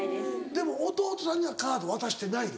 でも弟さんにはカード渡してないの？